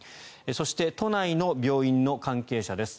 そして都内の病院の関係者です。